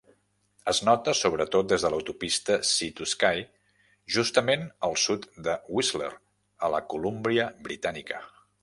Es nota sobretot des de l'autopista Sea-to-Sky, justament al sud de Whistler, a la Colúmbia Britànica.